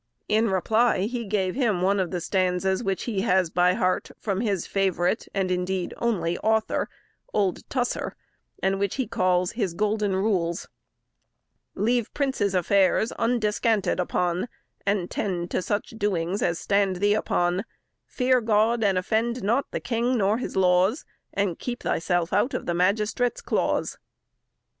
In reply he gave him one of the stanzas which he has by heart from his favourite, and indeed only author, old Tusser, and which he calls his Golden Rules: "Leave Princes' affairs undescanted on, And tend to such doings as stand thee upon; Fear God, and offend not the King nor his laws, And keep thyself out of the magistrate's claws."